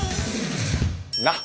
なっ。